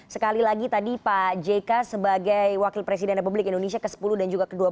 sekali lagi tadi pak jk sebagai wakil presiden republik indonesia ke sepuluh dan juga ke dua belas